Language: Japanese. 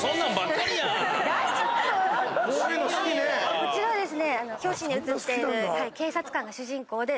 こちらは表紙に写っている警察官が主人公で。